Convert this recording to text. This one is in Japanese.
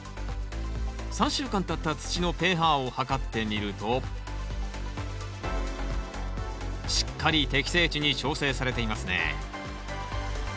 ３週間たった土のｐＨを測ってみるとしっかり適正値に調整されていますね